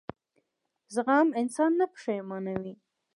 زغم انسان نه پښېمانوي.